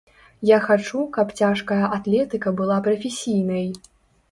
Я хачу, каб цяжкая атлетыка была прафесійнай.